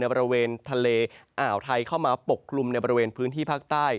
บริเวณทะเลอ่าวไทยเข้ามาปกกลุ่มในบริเวณพื้นที่ภาคใต้